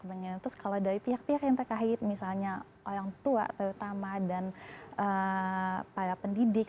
terus kalau dari pihak pihak yang terkait misalnya orang tua terutama dan para pendidik